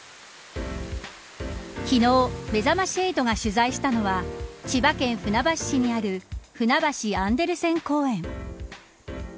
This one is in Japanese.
昨日めざまし８が取材したのは千葉県船橋市にあるふなばしアンデルセン公園。